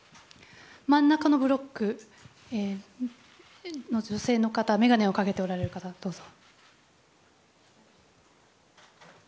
真ん中のブロックの女性の方眼鏡をかけておられる方どうぞ。